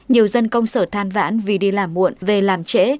nhiều dân công sở than vãn vì đi làm muộn về làm trễ